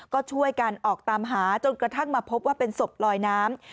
ก็ช่วยกันออกตามหาจนกระทั่งมาพบว่าเป็นศพลอยน้ำ